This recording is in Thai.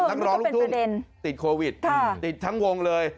นักร้องลูกทุ่งติดโควิดติดทั้งวงเลย